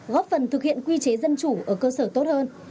góp phần thực hiện quy chế dân chủ ở cơ sở tốt hơn